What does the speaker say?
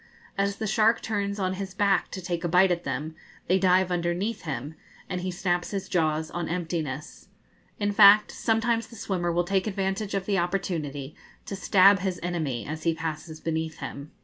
As the shark turns on his back to take a bite at them, they dive underneath him, and he snaps his jaws on emptiness. In fact, sometimes the swimmer will take advantage of the opportunity to stab his enemy as he passes beneath him.